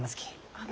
あの。